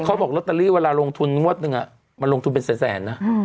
เขาบอกลอตเตอรี่เวลาลงทุนงวดหนึ่งมันลงทุนเป็นแสนนะ